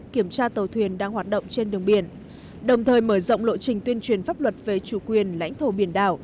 kiểm tra tàu thuyền đang hoạt động trên đường biển đồng thời mở rộng lộ trình tuyên truyền pháp luật về chủ quyền lãnh thổ biển đảo